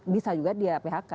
bisa juga dia phk